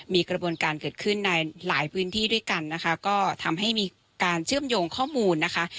มีกระบวนการเกิดขึ้นในหลายพื้นที่ด้วยกันนะคะก็ทำให้มีการเชื่อมโยงข้อมูลนะคะ